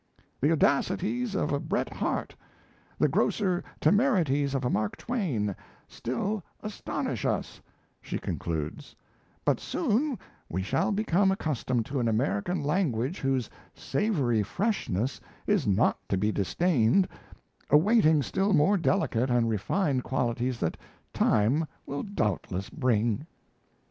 "The audacities of a Bret Harte, the grosser temerities of a Mark Twain, still astonish us," she concludes; "but soon we shall become accustomed to an American language whose savoury freshness is not to be disdained, awaiting still more delicate and refined qualities that time will doubtless bring."